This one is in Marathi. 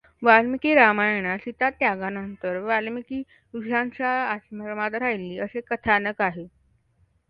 वाल्मिकी रामायणात सीतात्यागानंतर वाल्मिकी ऋषींच्या आश्रमात राहिली असे कथानक आहे.